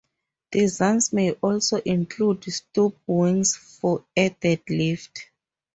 Designs may also include stub wings for added lift.